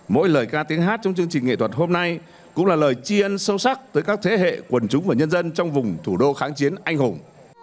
mỗi lời ca tiếng hát trong chương trình nghệ thuật hôm nay cũng là lời chi ân sâu sắc tới các thế hệ quần chúng và nhân dân trong vùng thủ đô kháng chiến anh hùng